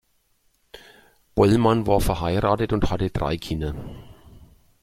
Bollmann war verheiratet und hatte drei Kinder.